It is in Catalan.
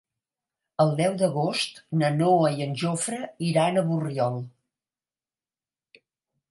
El deu d'agost na Noa i en Jofre iran a Borriol.